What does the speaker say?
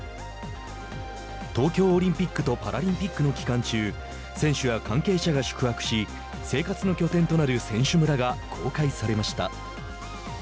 東京オリンピックとパラリンピックの期間中選手や関係者が宿泊し生活の拠点となる選手村が公開されました。